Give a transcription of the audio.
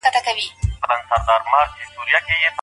معروف معاشرت څه ته وايي؟